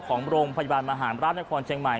ของโรงพยาบาลมหาราชนครเชียงใหม่